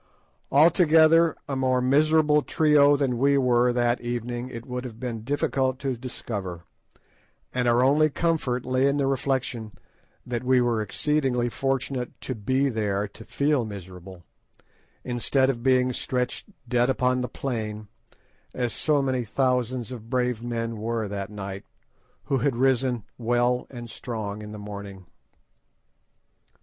Altogether, a more miserable trio than we were that evening it would have been difficult to discover; and our only comfort lay in the reflection that we were exceedingly fortunate to be there to feel miserable, instead of being stretched dead upon the plain, as so many thousands of brave men were that night, who had risen well and strong in the morning.